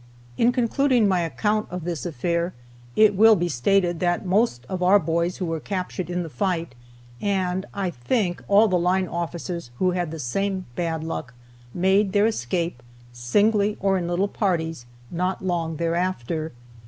] In concluding my account of this affair it will be stated that the most of our boys who were captured in the fight, and (I think) all the line officers who had the same bad luck, made their escape, singly, or in little parties, not long thereafter.